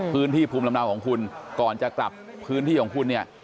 พื้นที่ภูมิลำเนาของคุณก่อนจะกลับพื้นที่ของคุณเนี่ย